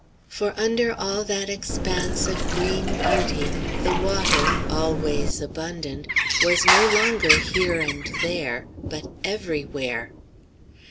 For under all that expanse of green beauty, the water, always abundant, was no longer here and there, but everywhere.